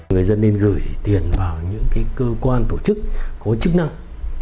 người dân nên gửi tiền vào những cơ quan tổ chức có chức năng